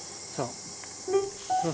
そう。